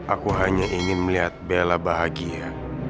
aku hanya ingin melihat bella bahagia